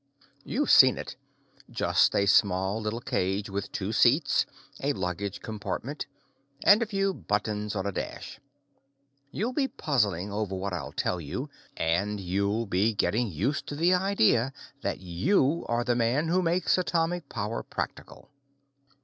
You've seen it, just a small little cage with two seats, a luggage compartment, and a few buttons on a dash. You'll be puzzling over what I'll tell you, and you'll be getting used to the idea that you are the man who makes atomic power practical.